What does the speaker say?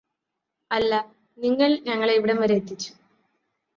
അല്ല നിങ്ങള് ഞങ്ങളെ ഇവിടം വരെ എത്തിച്ചു